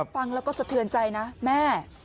ฟังแล้วก็สะเทือนใจนะแม่